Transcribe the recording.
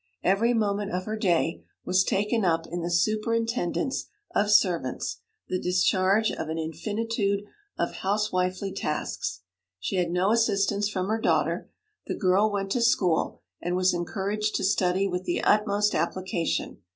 Every moment of her day was taken up in the superintendence of servants, the discharge of an infinitude of housewifely tasks. She had no assistance from her daughter; the girl went to school, and was encouraged to study with the utmost application.